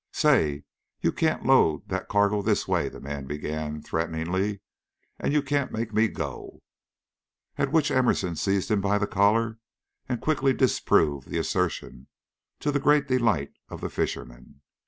"Say! You can't load that cargo this way," the man began, threateningly. "And you can't make me go " At which Emerson seized him by the collar and quickly disproved the assertion, to the great delight of the fishermen.